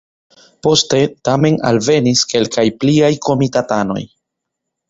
Poste tamen alvenis kelkaj pliaj komitatanoj.